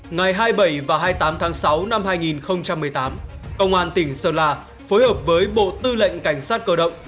ngày hai mươi bảy và hai mươi tám tháng sáu năm hai nghìn một mươi tám công an tỉnh sơn la phối hợp với bộ tư lệnh cảnh sát cơ động